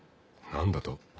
何だと。